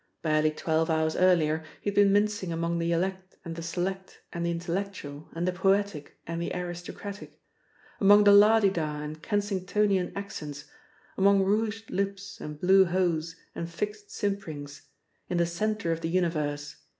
Barely twelve hours earlier he had been mincing among the elect and the select and the intellectual and the poetic and the aristocratic; among the lah di dah and Kensingtonian accents; among rouged lips and blue hose and fixed simperings; in the centre of the universe.